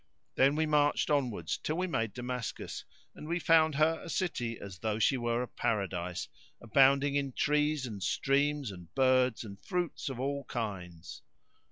Then we marched onwards till we made Damascus and we found her a city as though she were a Paradise, abounding in trees and streams and birds and fruits of all kinds.